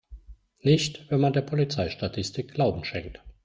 Nicht wenn man der Polizeistatistik Glauben schenkt.